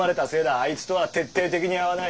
あいつとは徹底的に合わない。